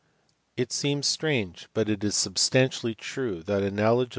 It seems strange but it is substantially true that a knowledge of 376 L HOSPITAL.